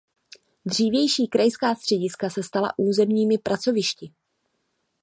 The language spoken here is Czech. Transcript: Dřívější krajská střediska se stala územními pracovišti.